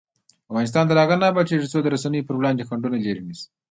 افغانستان تر هغو نه ابادیږي، ترڅو د رسنیو پر وړاندې خنډونه لیرې نشي.